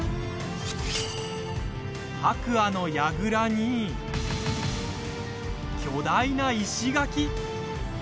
白亜の櫓に巨大な石垣。